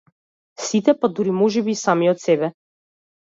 Сите па дури можеби и самиот себе.